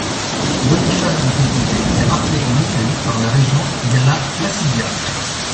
Boniface de son côté est rappelé en Italie par la régente Galla Placidia.